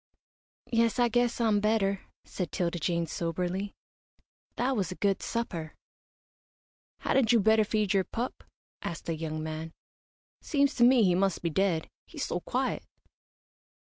"Yes, I guess I'm better," said 'Tilda Jane, soberly. "That was a good supper." "Hadn't you better feed your pup?" asked the young man. "Seems to me he must be dead, he's so quiet."